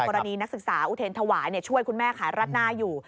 นักศึกษาอุเทรนธวายช่วยคุณแม่ขายรัดหน้าอยู่